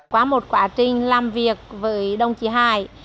qua một quá trình làm việc với đồng chí hải